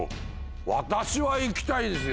私はいきたいですよ